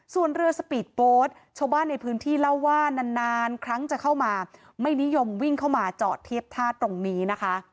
ส่วนเรือสปีดโบสต์ชาวบ้านในพื้นที่เล่าว่านานครั้งจะเข้ามาไม่นิยมวิ่งเข้ามาจอดเทียบท่าตรงนี้นะคะ